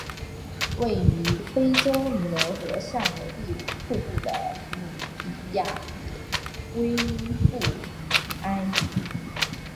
位于非洲尼罗河上游第五瀑布的努比亚也归附埃及。